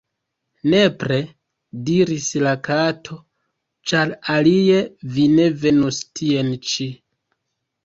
"Nepre," diris la Kato, "ĉar alie vi ne venus tien ĉi."